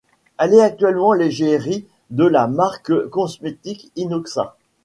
Elle est actuellement l'égérie de la marque cosmétique Innoxa.